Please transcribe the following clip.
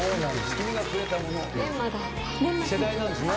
『君がくれたもの』世代なんですね。